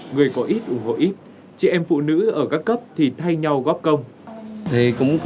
người có ít ủng hộ ít chị em phụ nữ ở các cấp thì thay nhau góp công